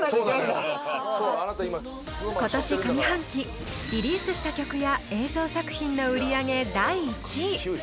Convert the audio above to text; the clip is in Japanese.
［今年上半期リリースした曲や映像作品の売り上げ第１位］